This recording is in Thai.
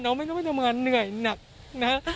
ไม่ต้องไปทำงานเหนื่อยหนักนะฮะ